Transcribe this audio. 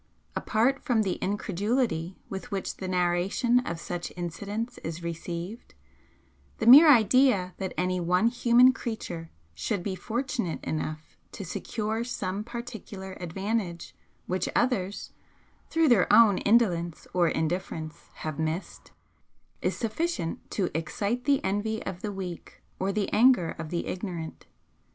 Apart from the incredulity with which the narration of such incidents is received, the mere idea that any one human creature should be fortunate enough to secure some particular advantage which others, through their own indolence or indifference, have missed, is sufficient to excite the envy of the weak or the anger of the ignorant.